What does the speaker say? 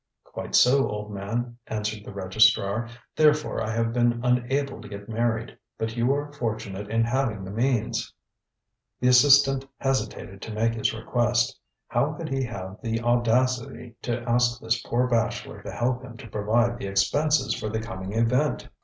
ŌĆØ ŌĆ£Quite so, old man, ŌĆØ answered the registrar, ŌĆ£therefore I have been unable to get married. But you are fortunate in having the means. ŌĆØ The assistant hesitated to make his request. How could he have the audacity to ask this poor bachelor to help him to provide the expenses for the coming event?